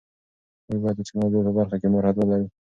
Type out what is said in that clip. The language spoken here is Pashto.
موږ باید د ټیکنالوژۍ په برخه کې مهارت ولرو.